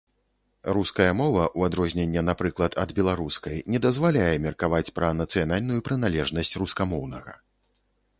Руская мова, у адрозненне, напрыклад, ад беларускай, не дазваляе меркаваць пра нацыянальную прыналежнасць рускамоўнага.